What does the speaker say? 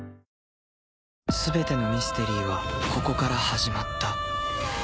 ［全てのミステリーはここから始まった］